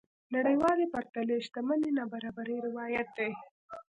نړيوالې پرتلنې شتمنۍ نابرابرۍ روايت دي.